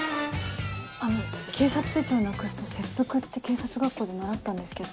あの警察手帳なくすと切腹って警察学校で習ったんですけど。